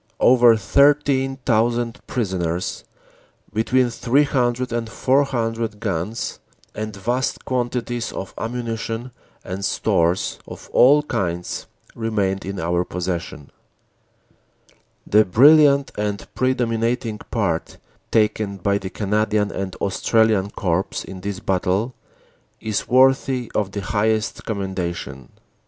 Over 13,000 prisoners, between 300 and 400 guns, and vast quantities of ammunition and stores of all kinds remained in our possession. "The brilliant and predominating part taken by the Cana dian and Australian Corps in this battle is worthy of the highest commendation.